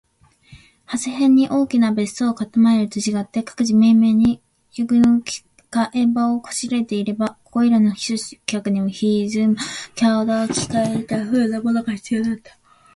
長谷辺（はせへん）に大きな別荘を構えている人と違って、各自めいめいに専有の着換場（きがえば）を拵（こしら）えていないここいらの避暑客には、ぜひともこうした共同着換所といった風（ふう）なものが必要なのであった。